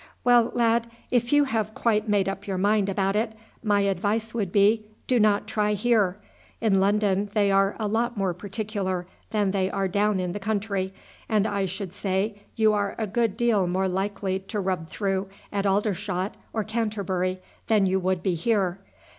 "Well, lad, if you have quite made up your mind about it, my advice would be, do not try here. In London they are a lot more particular than they are down in the country, and I should say you are a good deal more likely to rub through at Aldershot or Canterbury than you would be here.